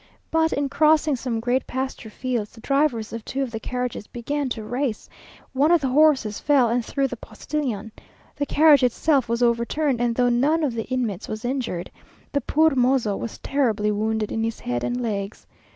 But in crossing some great pasture fields, the drivers of two of the carriages began to race; one of the horses fell and threw the postilion; the carriage itself was overturned, and though none of the inmates was injured, the poor mozo was terribly wounded in his head and legs.